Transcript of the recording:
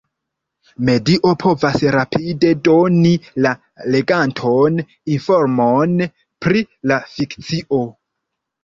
Medio povas rapide doni la leganton informon pri la fikcio.